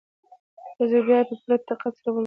يو ځل بيا يې په پوره دقت سره ولولئ.